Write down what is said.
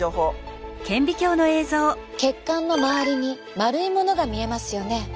血管の周りに丸いものが見えますよね。